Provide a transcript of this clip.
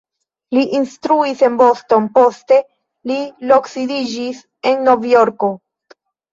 Li instruis en Boston, poste li loksidiĝis en Novjorko.